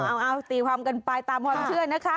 เอาตีความกันไปตามความเชื่อนะคะ